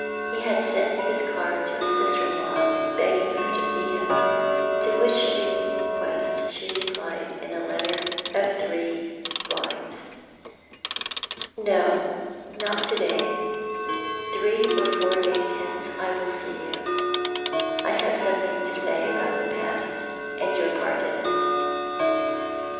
He sent his card to his sister in law, begging her to see him, to which request she replied in a letter of three lines. " No ; not to day. Three or four days hence I will see you. I have something to say about the past, and your part in it."